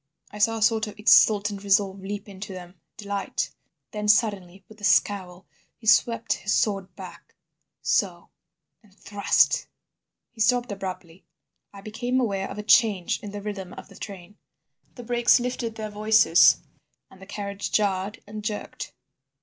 I saw a sort of exultant resolve leap into them—delight. Then, suddenly, with a scowl, he swept his sword back—so—and thrust." He stopped abruptly. I became aware of a change in the rhythm of the train. The brakes lifted their voices and the carriage jarred and jerked.